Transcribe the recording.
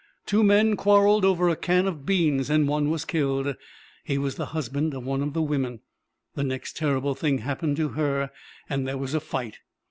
Two men quarrelled over a can of beans, and one was killed. He was the husband of one of the women. The next terrible thing happened to her and there was a fight.